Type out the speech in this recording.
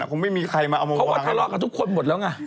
คงไม่มีใครมาเอามาวางให้กันเหรอเพราะว่าทะเลาะกับทุกคนหมดแล้วไง